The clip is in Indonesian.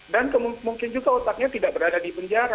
dan mungkin juga otaknya tidak berada di penjara